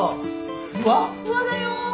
ふわっふわだよ。